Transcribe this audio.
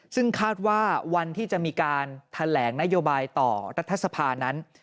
ซึ่งคาดว่าวันที่จะมีการแถลงนโยบายต่อรัฐสภานั้น